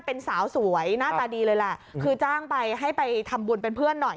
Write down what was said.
เป็นสาวสวยหน้าตาดีเลยแหละคือจ้างไปให้ไปทำบุญเป็นเพื่อนหน่อย